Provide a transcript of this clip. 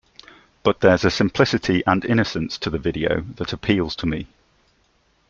But there's a simplicity and innocence to the video that appeals to me.